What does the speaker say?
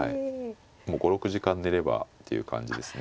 ５６時間寝ればっていう感じですね。